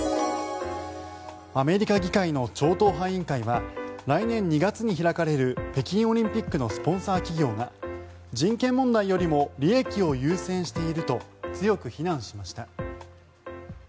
アメリカ議会の超党派委員会は来年２月に開かれる北京オリンピックのスポンサー企業が人権問題よりも利益を優先していると強く非難しました。